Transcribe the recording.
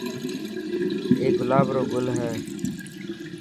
اي گلاب رو گل هي.